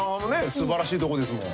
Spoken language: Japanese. すばらしいとこですもん。